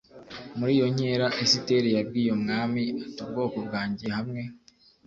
Muri iyo nkera Esiteri yabwiye umwami ati ubwoko bwanjye hamwe